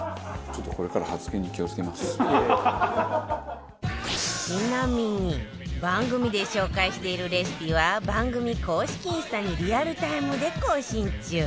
ちなみに番組で紹介しているレシピは番組公式インスタにリアルタイムで更新中